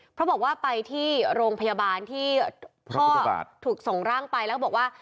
เพราะบอกว่าไปที่โรงพยาบาลที่พ่อถูกส่งร่างไปแล้วบอกว่า